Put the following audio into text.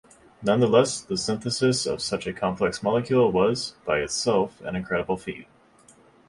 Nonetheless, the synthesis of such a complex molecule was, by itself, an incredible feat.